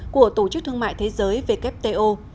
của tổ chức thương mại thế giới wto